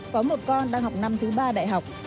có một con đang học năm thứ ba đại học